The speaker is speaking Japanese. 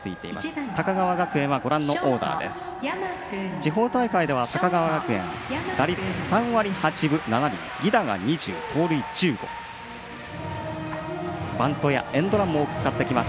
地方大会では、高川学園は３割８分７厘でバントやエンドランも多く使ってきます。